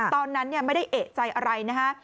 ตอนนั้นไม่ได้เอกใจอะไรนะฮะ